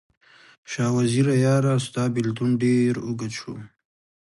شاه وزیره یاره، ستا بیلتون ډیر اوږد شو